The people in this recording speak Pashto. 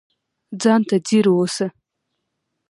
ځان ته ځیر اوسه